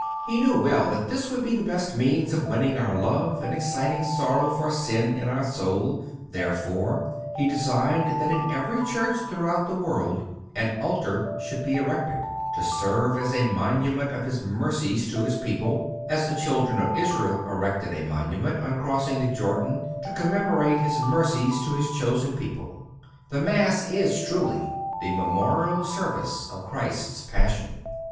He knew well that this would be the best means of winning our love and exciting sorrow for sin in our soul; therefore, He designed that in every church throughout the world an altar should be erected, to serve as a monument of His mercies to His people, as the children of Israel erected a monument, on crossing the Jordan, to commemorate His mercies to His chosen people. The Mass is truly the memorial service of Christ's Passion.